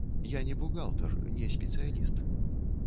Я не бухгалтар, не спецыяліст.